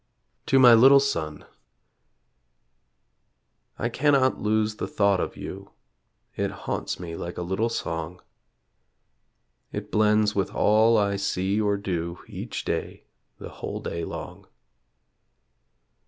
TO MY LITTLE SON I cannot lose the thought of you It haunts me like a little song, It blends with all I see or do Each day, the whole day long.